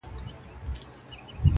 • مور او ورور پلان جوړوي او خبري کوي,